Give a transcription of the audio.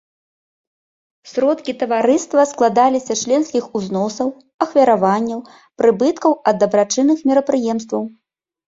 Сродкі таварыства складаліся з членскіх узносаў, ахвяраванняў, прыбыткаў ад дабрачынных мерапрыемстваў.